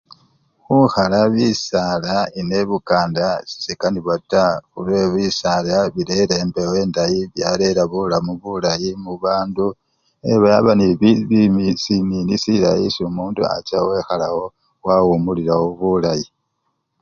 Khukhala bisala eno ebukanda sesikanibwa taa khulwe bisala birera embewo endayi, byarera bulamu bulayi mubandu e! baba nebi! bi! sinini silayi nisyo omundu acha wekhalawo wawumulilawo bulayi.